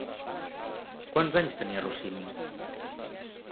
Quants anys tenia Rossini?